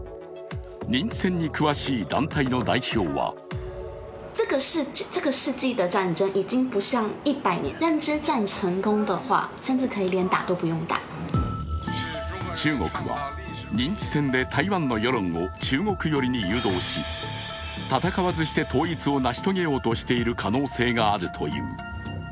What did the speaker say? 認知戦に詳しい団体の代表は中国は、認知戦で台湾の世論を中国寄りに誘導し戦わずして統一を成し遂げようとしている可能性があるという。